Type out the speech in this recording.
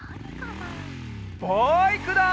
バイクだ！